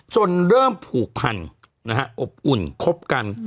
จนเริ่มผูกพันนะฮะอบอุ่นคบกัน